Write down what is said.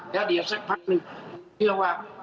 ถ้าเดี๋ยวสักพันคลิปเพื่อว่า